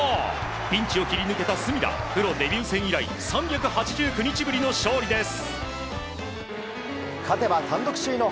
ピンチを切り抜けた隅田プロデビュー戦以来３８９日ぶりの勝利です。